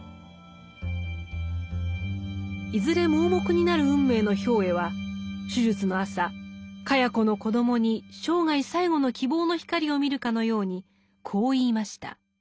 いずれ盲目になる運命の兵衛は手術の朝茅子の子どもに生涯最後の希望の光を見るかのようにこう言いました。